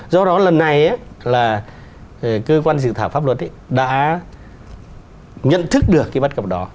do đó lần này cơ quan dự thảo pháp luật đã nhận thức được bất cập đó